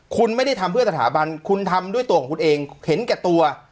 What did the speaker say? คุณไม่ได้ทำเพื่อสถาบันคุณทำด้วยตัวของคุณเองเห็นแก่ตัว